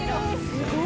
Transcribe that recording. すごい！